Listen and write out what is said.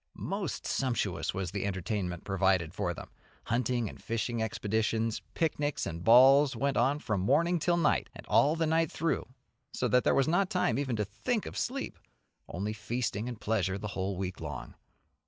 Most sumptuous was the entertainment provided for them. Hunting and fishing expeditions, picnics and balls went on from morning till night, and all the night through, so that there was not time even to think of sleep, only feasting and pleasure the whole week long.